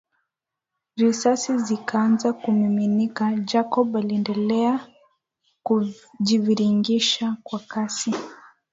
Risasi zikaanza kumiminika Jacob aliendelea kujiviringisha kwa kasi